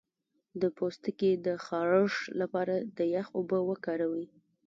د پوستکي د خارښ لپاره د یخ اوبه وکاروئ